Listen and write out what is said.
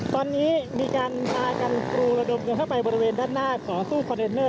ตอนนี้มีการพากันกรูระดมกันเข้าไปบริเวณด้านหน้าขอตู้คอนเทนเนอร์